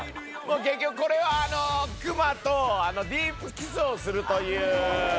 結局これは熊とディープキスをするという。え。